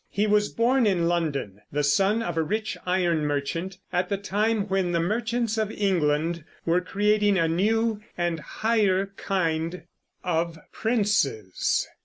He was born in London, the son of a rich iron merchant, at the time when the merchants of England were creating a new and higher kind of princes.